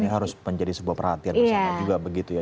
ini harus menjadi sebuah perhatian